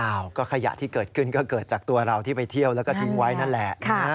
อ้าวก็ขยะที่เกิดขึ้นก็เกิดจากตัวเราที่ไปเที่ยวแล้วก็ทิ้งไว้นั่นแหละ